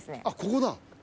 あっここだ。